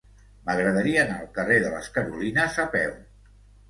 M'agradaria anar al carrer de les Carolines a peu.